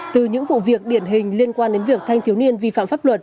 từ những vụ việc điển hình liên quan đến việc thanh thiếu niên vi phạm pháp luật